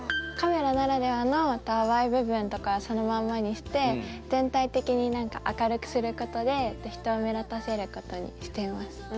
カメラならではの淡い部分とかはそのまんまにして全体的になんか明るくすることで人を目立たせることにしています。